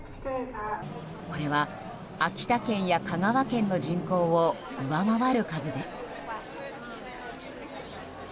これは秋田県や香川県の人口を上回る数です。